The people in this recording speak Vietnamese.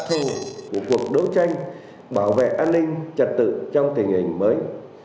phù hợp với đặc thù của cuộc đấu tranh bảo vệ an ninh trật tự trong tình hình mới